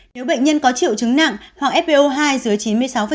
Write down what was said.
nếu bệnh nhân có triệu chứng nặng hoặc fpo hai dưới chín mươi sáu